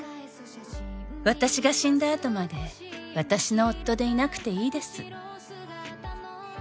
「私が死んだ後まで私の夫でいなくていいです」